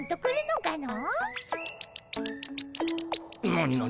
何何？